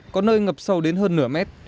có nơi ngập sâu đến hơn nửa mét